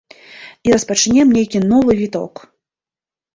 І распачнем нейкі новы віток.